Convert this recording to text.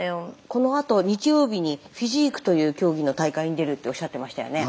このあと日曜日にフィジークという競技の大会に出るっておっしゃってましたよね。